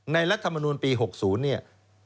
ในรัฐมนุนปี๖๐เนี่ย